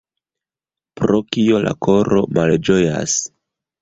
Pro kio la koro malĝojas?